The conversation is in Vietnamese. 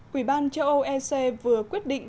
quỹ ban châu âu ec vừa quyết định